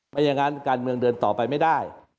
อย่างนั้นการเมืองเดินต่อไปไม่ได้